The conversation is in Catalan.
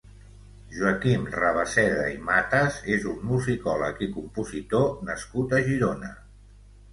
Joaquim Rabaseda i Matas és un musicòleg i compositor nascut a Girona.